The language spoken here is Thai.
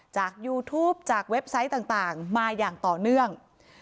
ยูทูปจากเว็บไซต์ต่างมาอย่างต่อเนื่อง